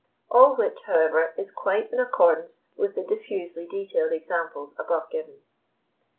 All which, however, is quite in accordance with the diffusely detailed examples above given.